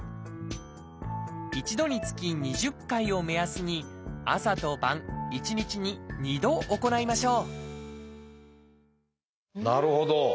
一度につき２０回を目安に朝と晩一日に２度行いましょうなるほど。